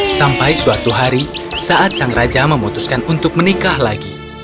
sampai suatu hari saat sang raja memutuskan untuk menikah lagi